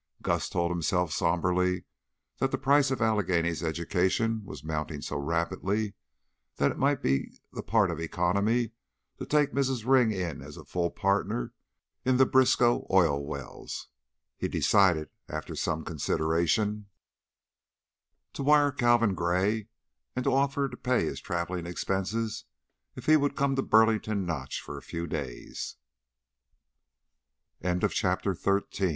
Gus told himself somberly that the price of Allegheny's education was mounting so rapidly that it might be the part of economy to take Mrs. Ring in as a full partner in the Briskow oil wells. He decided, after some consideration, to wire Calvin Gray and offer to pay his traveling expenses if he would come to Burlington Notch for a few days. CHAPTER XIV One accomplishment that Al